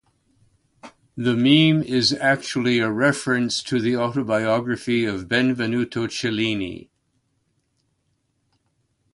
The meme is actually a reference to the autobiography of Benvenuto Cellini.